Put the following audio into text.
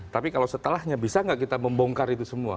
tapi kalau setelahnya bisa nggak kita membongkar itu semua